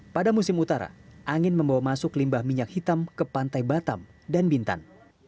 pada musim utara angin membawa masuk limbah minyak hitam ke pantai batam dan bintan